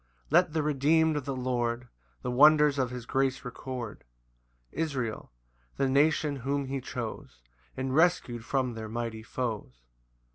2 Let the redeemed of the Lord The wonders of his grace record; Israel, the nation whom he chose, And rescu'd from their mighty foes.